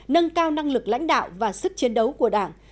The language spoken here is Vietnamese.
nâng cao năng lực lãnh đạo và sức chiến đấu của đảng